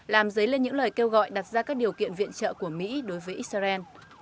làm dấy lên những lời kêu gọi đặt ra các điều kiện viện trợ của mỹ đối với israel